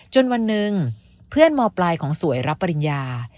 จนวันหนึ่งเพื่อนมปลายของสวยรับปริญญา